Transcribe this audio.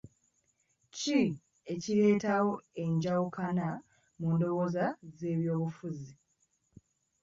Ki ekireetawo enjawukana mu ndowooza z'ebyobufuzi?